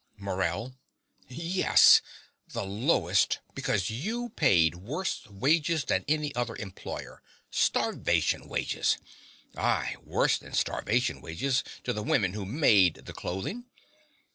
MORELL. Yes, the lowest, because you paid worse wages than any other employer starvation wages aye, worse than starvation wages to the women who made the clothing.